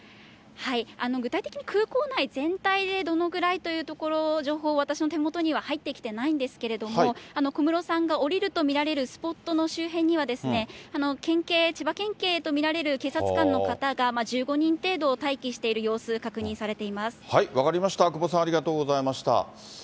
具体的に空港内全体でどのぐらいというところ、情報、私の手元には入ってきてないんですけど、小室さんが降りると見られるスポットの周辺には、千葉県警と見られる警察官の方が１５人程度待機している様子、確分かりました、久保さん、ありがとうございました。